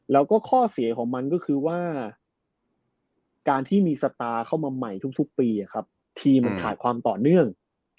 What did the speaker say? แล้วก็ข้อเสียของมันก็คือว่าการที่มีสตาร์เข้ามาใหม่ทุกปีทีมมันขาดความต่อเนื่อง